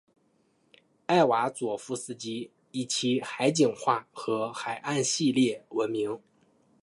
艾瓦佐夫斯基以其海景画和海岸系列闻名。